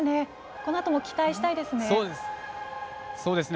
このあとも期待したいですね。